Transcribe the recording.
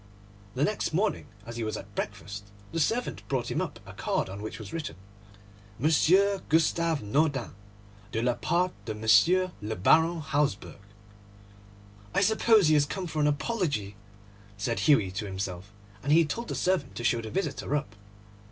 The next morning, as he was at breakfast, the servant brought him up a card on which was written, 'Monsieur Gustave Naudin, de la part de M. le Baron Hausberg.' 'I suppose he has come for an apology,' said Hughie to himself; and he told the servant to show the visitor up.